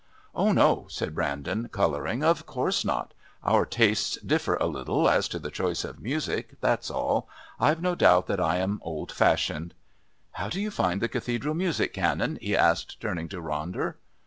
"Oh, no," said Brandon, colouring. "Of course not. Our tastes differ a little as to the choice of music, that's all. I've no doubt that I am old fashioned." "How do you find the Cathedral music, Canon?" he asked, turning to Ronder.